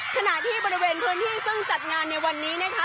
ขณะที่บริเวณพื้นที่ซึ่งจัดงานในวันนี้นะคะ